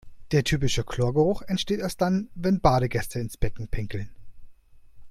Der typische Chlorgeruch entsteht erst dann, wenn Badegäste ins Becken pinkeln.